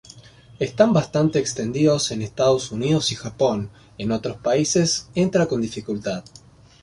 Están bastante extendidos en Estados Unidos y Japón, en otros países entra con dificultad.